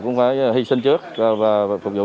cũng phải hy sinh trước và phục vụ